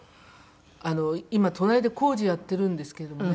今隣で工事やってるんですけれどもね